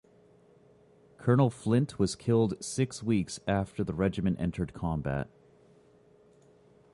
Colonel Flint was killed six weeks after the regiment entered combat.